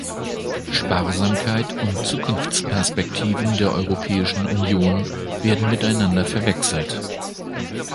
Sparsamkeit und Zukunftsperspektiven der Europäischen Union werden miteinander verwechselt.